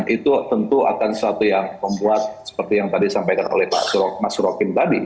dan itu tentu akan sesuatu yang membuat seperti yang tadi sampaikan oleh mas surokin tadi